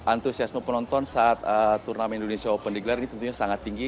antusiasme penonton saat turnamen indonesia open digelar ini tentunya sangat tinggi